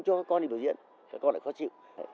họ đón con trào đời